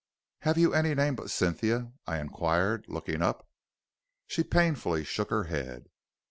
"'Have you any name but Cynthia?' I inquired, looking up. "She painfully shook her head.